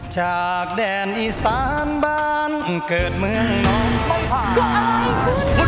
จากแดนอีสานบ้านเกิดเมืองน้องต้องผ่าน